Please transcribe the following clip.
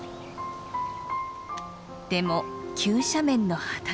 でも急斜面の畑。